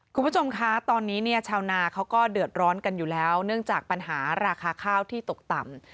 คุณผู้ชมคะตอนนี้เนี่ยชาวนาเขาก็เดือดร้อนกันอยู่แล้วเนื่องจากปัญหาราคาข้าวที่ตกต่ำ